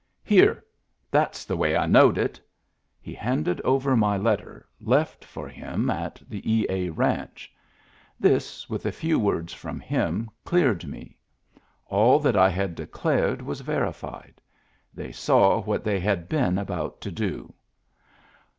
Here. That's the way I knowed it." He handed over my letter, left for him at the Digitized by Google 202 MEMBERS OF THE FAMILY E A ranch. This, with a few words from him, cleared me. All that I had declared was verified ; they saw what they had been about to do.